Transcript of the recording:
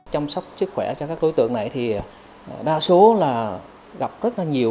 chăm sóc sức khỏe cho các đối tượng này thì đa số là gặp rất là nhiều